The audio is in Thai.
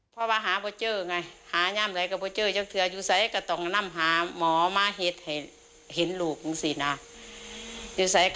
ถึงเมื่อแรกเป็น๑๐๒๐นาที